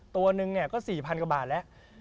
ตัวนึงก็๔๐๐กว่าบาทแล้ว